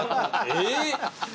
えっ！